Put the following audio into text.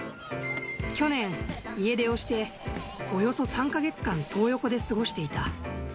去年、家出をして、およそ３か月間トー横で過ごしていた。